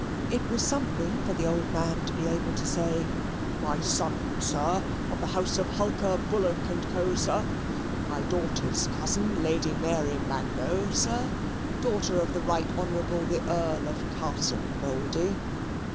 It was something for the old man to be able to say, "My son, sir, of the house of Hulker, Bullock, and Co., sir; my daughter's cousin, Lady Mary Mango, sir, daughter of the Right Hon. The Earl of Castlemouldy."